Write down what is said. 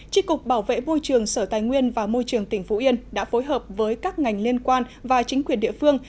tri cục bảo vệ môi trường sở tài nguyên và môi trường tỉnh phú yên đã phối hợp với các ngành liên quan và chính quyền địa phương